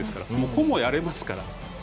個もやれますから。